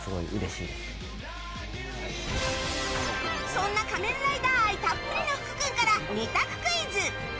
そんな仮面ライダー愛たっぷりの福君から、２択クイズ！